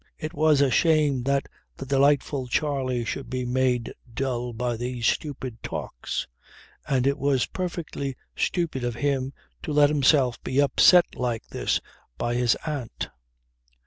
It was a shame that the delightful Charley should be made dull by these stupid talks, and it was perfectly stupid of him to let himself be upset like this by his aunt.